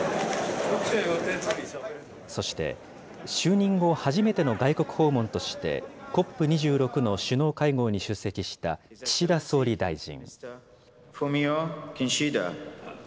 そして、就任後初めての外国訪問として、ＣＯＰ２６の首脳会合に出席した岸田総理大臣。